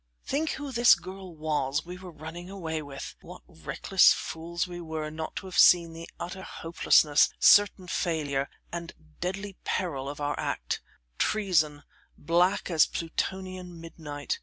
Think who this girl was we were running away with! What reckless fools we were not to have seen the utter hopelessness, certain failure, and deadly peril of our act; treason black as Plutonian midnight.